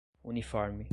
uniforme